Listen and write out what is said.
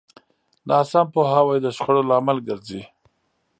ناسم پوهاوی د شخړو لامل ګرځي.